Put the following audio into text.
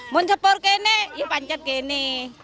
mun sepur gini ya pancat gini